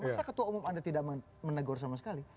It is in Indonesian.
masa ketua umum anda tidak menegur sama sekali